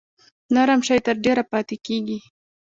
نرم شی تر ډیره پاتې کیږي.